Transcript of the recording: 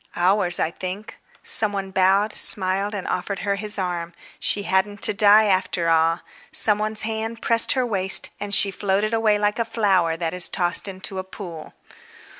"Ours, I think—" Some one bowed, smiled, and offered her his arm; she hadn't to die after all. Some one's hand pressed her waist, and she floated away like a flower that is tossed into a pool.